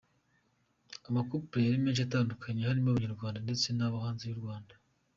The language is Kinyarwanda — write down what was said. Ama couple yari menshi atandukanye harimo abanyarwanda ndetse nabo hanze yu Rwanda